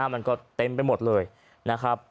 มันก็เต็มไปหมดเลยนะครับ